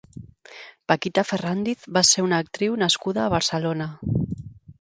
Paquita Ferràndiz va ser una actriu nascuda a Barcelona.